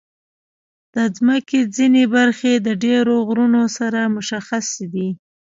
د مځکې ځینې برخې د ډېرو غرونو سره مشخصې دي.